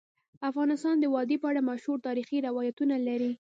افغانستان د وادي په اړه مشهور تاریخی روایتونه لري.